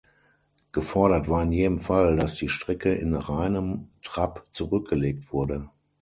Gefordert war in jedem Fall, dass die Strecke in reinem Trab zurückgelegt wurde.